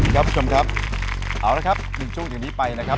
ครับผู้ชมครับเอาละครับ๑ช่วงอย่างนี้ไปนะครับ